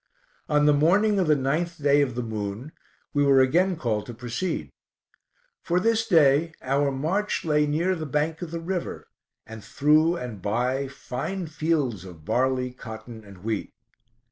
On the morning of the ninth day of the moon, we were again called to proceed. For this day our march lay near the bank of the river, and through and by fine fields of barley, cotton, and wheat.